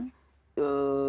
jauh dari sholat